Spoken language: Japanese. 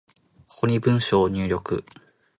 ここに文章を入力